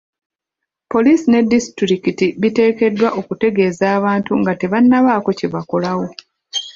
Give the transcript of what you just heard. Poliisi ne disitulikiti biteekeddwa okutegeeza abantu nga tebannabaako kye bakolawo.